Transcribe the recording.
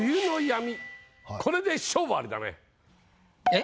えっ？